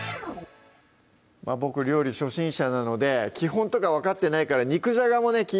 僕料理初心者なので基本とか分かってないから「肉じゃが」もね